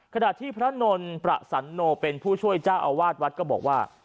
ขณะที่พระนนท์ประสันโนเป็นผู้ช่วยเจ้าอาวาสวัดก็บอกว่า